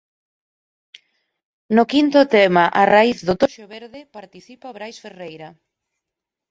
No quinto tema "A raíz do toxo verde" participa Brais Ferreira.